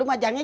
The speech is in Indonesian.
lu mah jangin